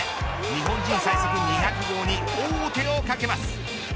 日本人最速２００号に王手をかけます。